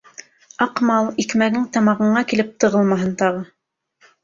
— Аҡмал, икмәгең тамағыңа килеп тығылмаһын тағы.